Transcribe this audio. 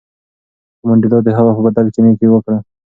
خو منډېلا د هغه په بدل کې نېکي وکړه.